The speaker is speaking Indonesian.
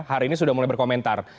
hari ini sudah mulai berkomentar